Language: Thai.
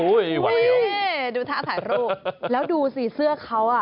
อุ๊ยวันเดียวดูท่าถ่ายรูปแล้วดูสีเสื้อเขา